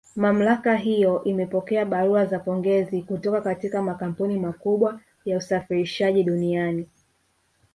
Mamlaka hiyo imepokea barua za pongezi kutoka katika makampuni makubwa ya usafirishaji duniani